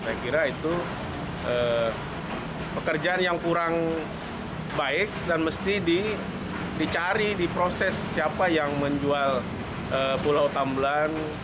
yaitu pekerjaan yang kurang baik dan mesti dicari di proses siapa yang menjual pulau tambelan